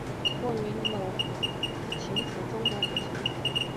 卧云楼琴谱中国古琴谱。